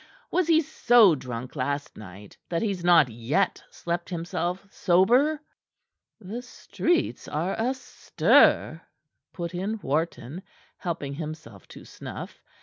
Was he so drunk last night that he's not yet slept himself sober?" "The streets are astir," put in Wharton, helping himself to snuff.